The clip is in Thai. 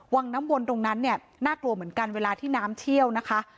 วังน้ำวนตรงนั้นเนี่ยน่ากลัวเหมือนกันเวลาที่น้ำเชี่ยวนะคะ